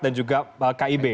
dan juga kib